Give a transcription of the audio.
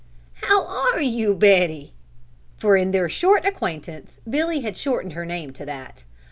"How are you, Betty?" For in their short acquaintance Billy had shortened her name to that.